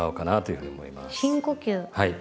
はい。